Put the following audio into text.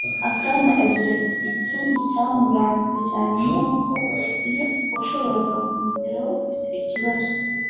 Akana agira ati “Ikindi cyamuranze cyane ni uko iyo washoboraga kumugeraho ufite ikibazo